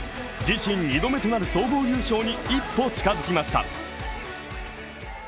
自身２度目となる総合優勝に一歩近づきました。